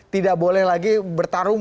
tidak boleh lagi bertarung